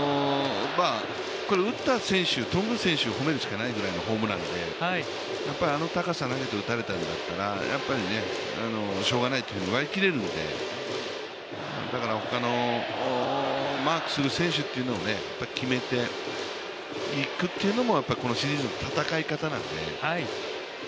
打った選手、頓宮選手を褒めるしかないぐらいのホームランであの高さ投げて打たれたんだったらやっぱりしょうがないと割り切れるので、だからほかのマークする選手というのを決めていくというのもこのシリーズの戦い方なので。